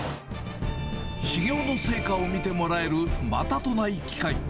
修業の成果を見てもらえるまたとない機会。